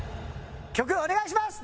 曲お願いします。